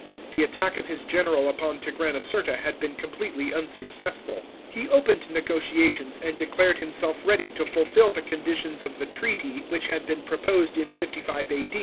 The attack of his general upon Tigranocerta had been completely unsuccessful. He opened negotiations, and declared himself ready ^to fulfil the conditions of the treaty which had been proposed in 55 A.